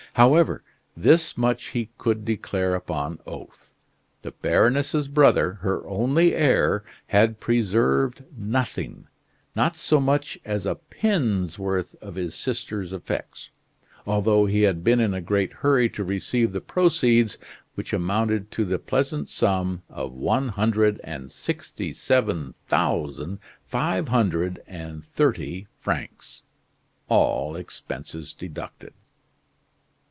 However, this much he could declare upon oath; the baroness's brother, her only heir, had preserved nothing not so much as a pin's worth of his sister's effects: although he had been in a great hurry to receive the proceeds, which amounted to the pleasant sum of one hundred and sixty seven thousand five hundred and thirty francs, all expenses deducted.